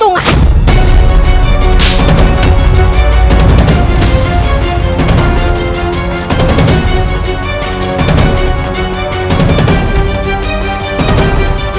untuk mencari keuntungan